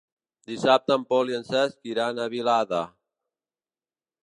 Dissabte en Pol i en Cesc iran a Vilada.